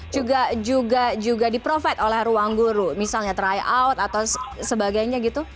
juga di profit oleh ruangguru misalnya tryout atau sebagainya gitu